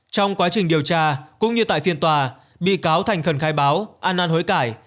trong quá trình điều tra cũng như tại phiên tòa bị cáo thành khẩn khai báo an năn hối cải